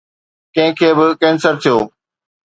ڪنهن کي به ڪينسر ٿيو؟